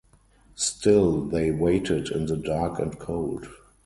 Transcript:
Still they waited in the dark and cold.